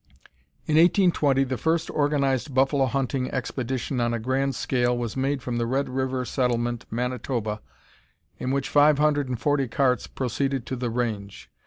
In 1820 the first organized buffalo hunting expedition on a grand scale was made from the Red River settlement, Manitoba, in which five hundred and forty carts proceeded to the range.